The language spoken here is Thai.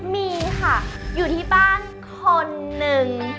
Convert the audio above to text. มีค่ะอยู่ที่บ้านคนหนึ่ง